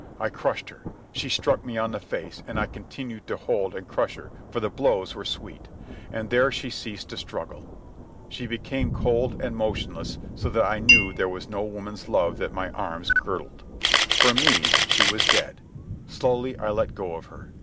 I crushed her. She struck me on the face, and I continued to hold and crush her, for the blows were sweet. And there she ceased to struggle. She became cold and motionless, so that I knew there was no woman's love that my arms girdled. For me she was dead. Slowly I let go of her.